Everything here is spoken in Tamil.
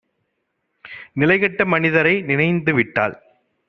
நிலைகெட்ட மனிதரை நினைந்துவிட்டால்